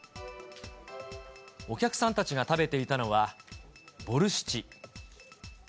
お客さん達が食べていたのはボルシチ。